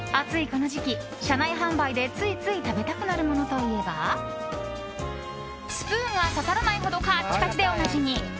この時期、車内販売でついつい食べたくなるものといえばスプーンが刺さらないほどカッチカチでおなじみ